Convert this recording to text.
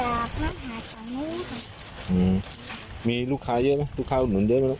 อืมมีลูกค้าเยอะไหมลูกค้าอุดหนุนเยอะไหมลูก